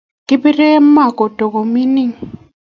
Kibirei ma Kota komining